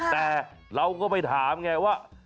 แต่เราก็ไปถามไงว่า